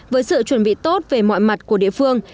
với sự chuẩn bị tốt về mọi mặt của địa phương